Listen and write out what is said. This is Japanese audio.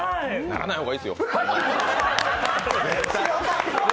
ならない方がいいですよ。